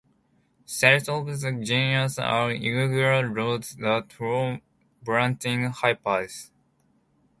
Cells of the genus are irregular rods that form branching hyphae.